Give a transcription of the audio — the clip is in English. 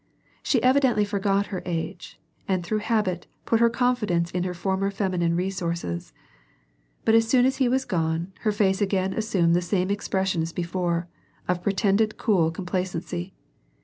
She evidently forgot her age, and through habit, put her confidence in her former feminine resources. But as soon as he was gone, her face again assumed the same expression as before, of pretended cool complacency.